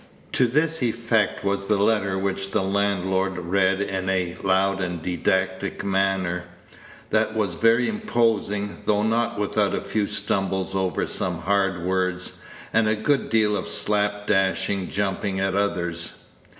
To this effect was the letter which the landlord read in a loud and didactic manner, that was very imposing, though not without a few stumbles over some hard words, and a good deal of slap dash jumping at others.